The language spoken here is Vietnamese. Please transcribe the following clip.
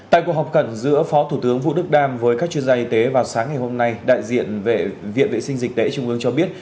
tại cuộc họp khẩn giữa phó thủ tướng vũ đức đam với các chuyên gia y tế vào sáng ngày hôm nay đại diện viện vệ sinh dịch tễ trung ương cho biết